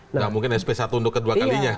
nggak mungkin sp satu untuk kedua kalinya